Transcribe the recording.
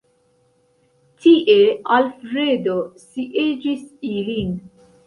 Tie Alfredo sieĝis ilin.